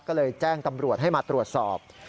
ก็เลยแจ้งตำรวจให้มาตรวจสอบ